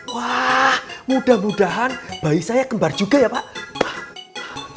wah mudah mudahan bayi saya kembar juga ya pak